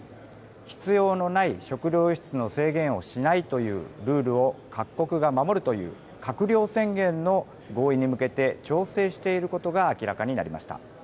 必要のない食料輸出の制限をしないというルールを各国が守るという閣僚宣言の合意に向けて調整していることが明らかになりました。